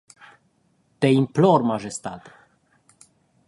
Te implor majestate.